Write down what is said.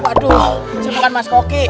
waduh si bukan mas koki